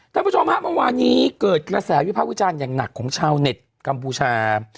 ท่านผู้ชมฮะเมื่อวานนี้เกิดกระแสวิภาพวิจารณ์อย่างหนักของชาวเน็ตกัมพูชา